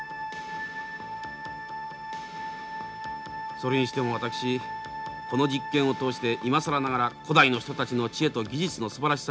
それにしても私この実験を通して今更ながら古代の人たちの知恵と技術のすばらしさにほとほと参りました。